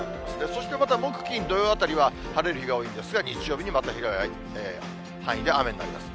そしてまた木、金、土曜あたりは、晴れる日が多いんですが、日曜日にまた広い範囲で雨になります。